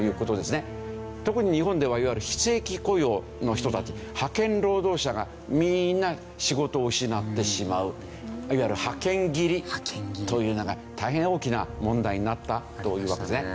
特に日本ではいわゆる非正規雇用の人たち派遣労働者がみんな仕事を失ってしまういわゆる派遣切りというのが大変大きな問題になったというわけですね。